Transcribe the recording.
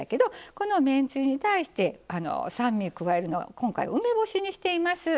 このめんつゆに対して酸味を加えるのは梅干しにしています。